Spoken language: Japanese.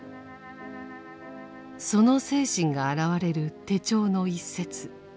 その精神があらわれる手帳の一節。